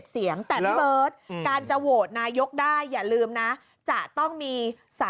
เสียงแต่พี่เบิร์ตการจะโหวตนายกได้อย่าลืมนะจะต้องมี๓